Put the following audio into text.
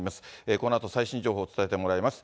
このあと最新情報を伝えてもらいます。